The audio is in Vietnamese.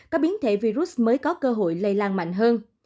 các biến thể virus mới có cơ hội lây lan mạnh hơn